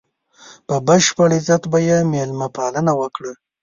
په بشپړ عزت به یې مېلمه پالنه وکړي.